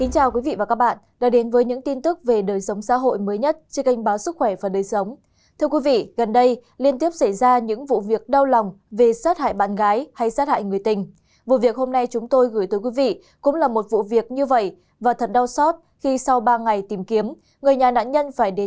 chào mừng quý vị đến với bộ phim hãy nhớ like share và đăng ký kênh của chúng mình nhé